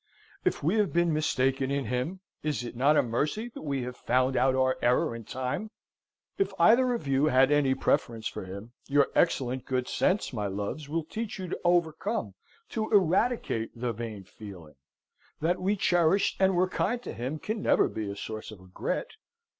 If we have been mistaken in him, is it not a mercy that we have found out our error in time? If either of you had any preference for him, your excellent good sense, my loves, will teach you to overcome, to eradicate, the vain feeling. That we cherished and were kind to him can never be a source of regret.